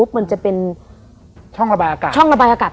ควรแขวนคอกับ